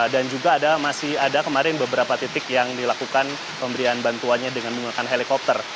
dan juga masih ada kemarin beberapa titik yang dilakukan pemberian bantuannya dengan menggunakan helikopter